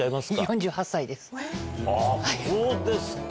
はぁそうですか。